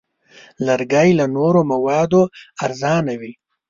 لرګی له نورو موادو ارزانه وي.